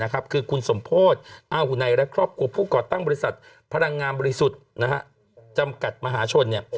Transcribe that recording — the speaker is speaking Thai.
คือคุณสมโพธิ์อาหุนัยและครอบครัวผู้ก่อตั้งบริษัทพลังงานบริสุทธิ์จำกัดมหาชน